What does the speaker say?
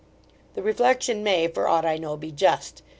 The reflection may, for aught I know, be just.